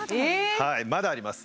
はいまだあります。